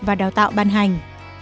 và đào tạo ban hành